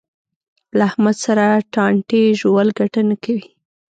له احمد سره ټانټې ژول ګټه نه کوي.